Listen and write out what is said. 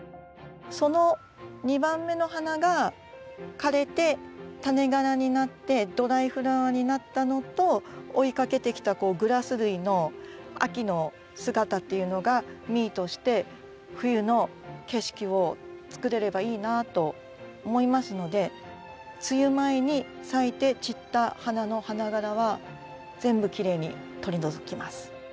その２番目の花が枯れてタネがらになってドライフラワーになったのと追いかけてきたグラス類の秋の姿っていうのがミートして冬の景色を作れればいいなと思いますので梅雨前に咲いて散った花の花がらは全部きれいに取り除きます。